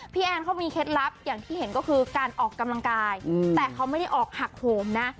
แอนเขามีเคล็ดลับอย่างที่เห็นก็คือการออกกำลังกายแต่เขาไม่ได้ออกหักโหมนะ